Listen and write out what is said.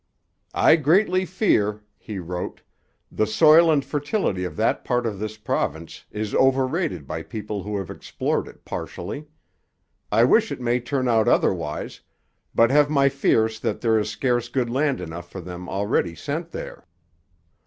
'I greatly fear,' he wrote, 'the soil and fertility of that part of this province is overrated by people who have explored it partially. I wish it may turn out otherwise, but have my fears that there is scarce good land enough for them already sent there.'